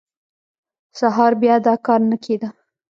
سهار بیا دا کار نه کېده.